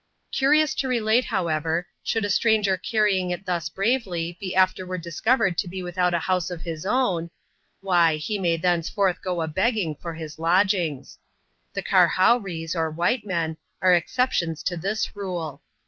Curious to relate, however, should a stranger carrying it thus bravely, be afterward discovered to be without a house of his ■own, why, he may thenceforth go a begging for his lodgings. The " karhowrees,'' or white men, are exceptions to this rule.